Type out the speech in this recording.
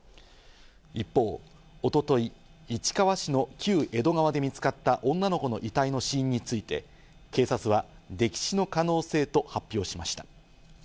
一方、一昨日、市川市の旧江戸川で見つかった女の子の遺体の死因について、警察は溺死の可能性と発表しました。